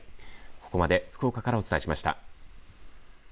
ここまで福岡からお伝えしました。